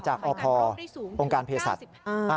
จากอพองค์การเพศรัช